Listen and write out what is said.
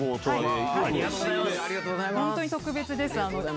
本当に特別です。